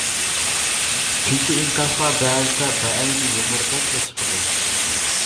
چۈنكى ئىنكاسلار بەزىدە بەئەينى يۇمۇردەكلا چىقىدۇ.